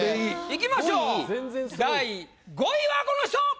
いきましょう第５位はこの人！